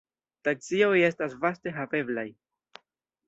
Taksioj estas vaste haveblaj.